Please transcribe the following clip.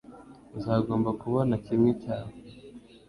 Uzagomba kubona kimwe cyawe